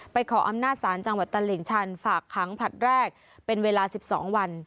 ขออำนาจศาลจังหวัดตลิ่งชันฝากขังผลัดแรกเป็นเวลา๑๒วัน